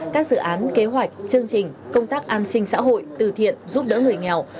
các dự án kế hoạch chương trình công tác an sinh xã hội từ thiện giúp đỡ người nghèo